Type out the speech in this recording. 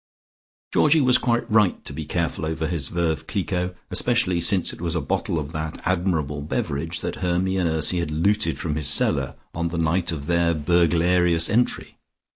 Georgie was quite right to be careful over his Veuve Clicquot, especially since it was a bottle of that admirable beverage that Hermy and Ursy had looted from his cellar on the night of their burglarious entry.